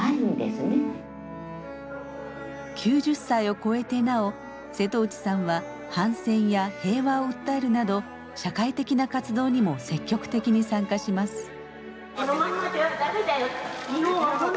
９０歳を超えてなお瀬戸内さんは反戦や平和を訴えるなど社会的な活動にも積極的に参加します。